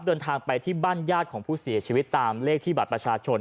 เดินทางไปที่บ้านญาติของผู้เสียชีวิตตามเลขที่บัตรประชาชน